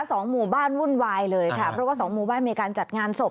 สองหมู่บ้านวุ่นวายเลยค่ะเพราะว่าสองหมู่บ้านมีการจัดงานศพ